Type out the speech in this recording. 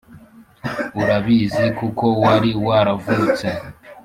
urabizi kuko wari waravutse,